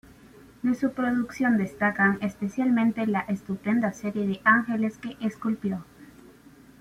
De su producción destacan especialmente la estupenda serie de ángeles que esculpió.